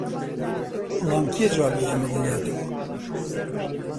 بەڵام کێ جوابی ئێمە دەداتەوە؟